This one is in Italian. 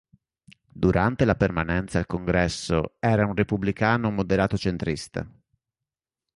Durante la permanenza al Congresso era un repubblicano moderato-centrista.